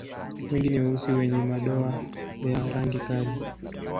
Wengi ni weusi wenye madoa ya rangi kali.